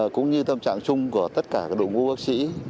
cũng như tâm trạng chung của tất cả các đội ngũ bác sĩ